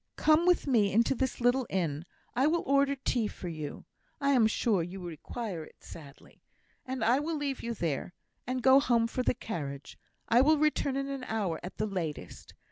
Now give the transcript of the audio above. Come with me into this little inn; I will order tea for you (I am sure you require it sadly) and I will leave you there, and go home for the carriage. I will return in an hour at the latest.